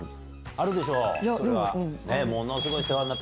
あるでしょそれは。